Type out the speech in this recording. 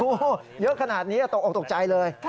โอ้โหเยอะขนาดนี้ตกออกตกใจเลย